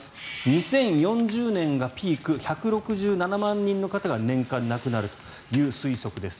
２０４０年がピーク１６７万人の方が年間、亡くなるという推測です。